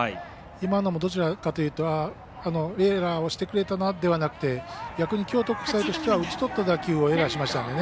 今のも、どちらかというとエラーをしてくれたのではなくて逆に京都国際としては打ちとった打球をエラーしましたんでね